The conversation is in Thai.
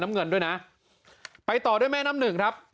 น้ำเงินด้วยนะไปต่อด้วยแม่น้ำหนึ่งครับ